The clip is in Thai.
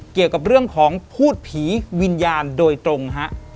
เกี่ยวกับเรื่องของพูดผีวิญญาณโดยตรงฮะ